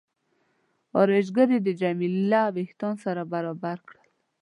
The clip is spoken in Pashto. ارایشګرې د جميله وریښتان سره برابر کړل.